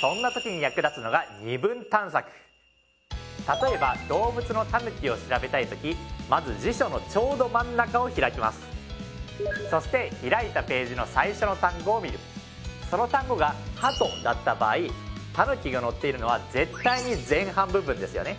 そんな時に役立つのが例えば動物の「たぬき」を調べたい時まず辞書のちょうど真ん中を開きますそして開いたページの最初の単語を見るその単語が「はと」だった場合「たぬき」が載っているのは絶対に前半部分ですよね